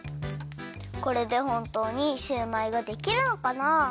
これでほんとうにシューマイができるのかな？